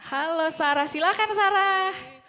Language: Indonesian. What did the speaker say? halo sarah silahkan sarah